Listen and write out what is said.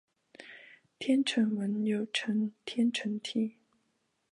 天城文又称天城体。